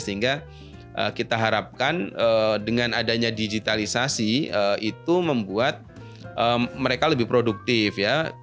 sehingga kita harapkan dengan adanya digitalisasi itu membuat mereka lebih produktif ya